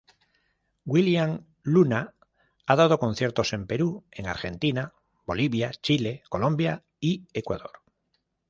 William Luna ha dado conciertos en Perú, en Argentina, Bolivia, Chile, Colombia y Ecuador.